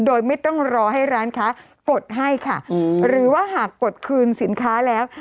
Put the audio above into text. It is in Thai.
โดยไม่ต้องรอให้ร้านค้ากดให้ค่ะหรือว่าหากกดคืนสินค้าแล้ว